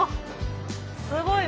すごい。